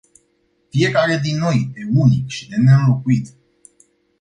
Fiecare din noi e unic și de neînlocuit.